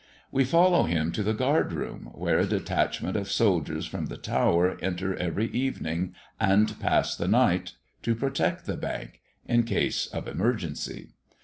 We follow him to the guard room, where a detachment of soldiers from the Tower enter every evening and pass the night, to protect the Bank "in case of an emergency."